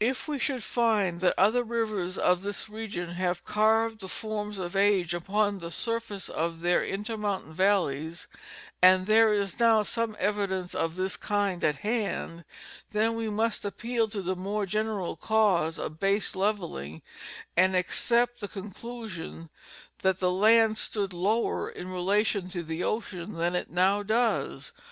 If we should find that other rivers of this region have carved, the forms of age upon the surfaces of their intermontane valleys, and there is now some evidence of this kind at hand, then we must appeal to the moi'e general cause of base levelling and accept the conclusion that the land stood lower in relation to the ocean than it now does.